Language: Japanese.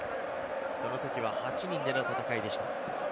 そのときは８人での戦いでした。